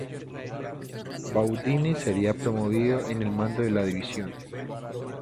Budionni sería promovido en el mando de la división.